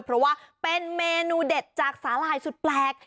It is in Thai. เพราะว่าเป็นเมนูเด็ดจากสาหร่ายสุดแปลก